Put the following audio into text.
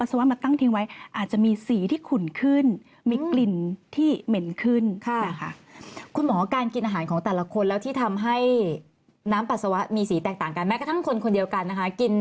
อ่าอ่าอ่าอ่าอ่าอ่าอ่าอ่าอ่าอ่าอ่าอ่าอ่าอ่าอ่าอ่าอ่าอ่าอ่าอ่าอ่าอ่า